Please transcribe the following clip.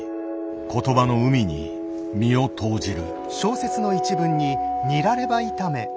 言葉の海に身を投じる。